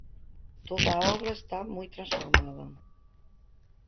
Toda a obra está moi transformada.